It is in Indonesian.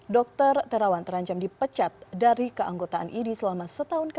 dr terawan terancam dipecat dari keanggotaan ini selama setahun